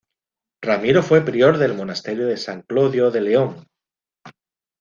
Ramiro fue prior del monasterio de San Clodio de León.